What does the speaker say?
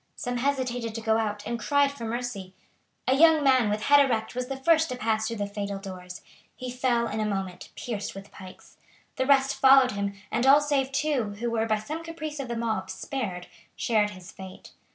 Some hesitated to go out, and cried for mercy. A young man with head erect was the first to pass through the fatal doors. He fell in a moment, pierced with pikes. The rest followed him, and all save two, who were, by some caprice of the mob, spared, shared his fate.